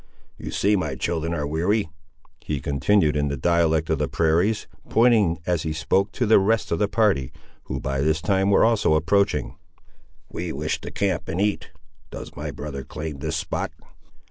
You see my children are weary," he continued in the dialect of the prairies, pointing, as he spoke, to the rest of the party, who, by this time, were also approaching. "We wish to camp and eat. Does my brother claim this spot?"